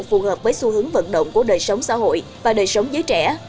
phù hợp với xu hướng vận động của đời sống xã hội và đời sống giới trẻ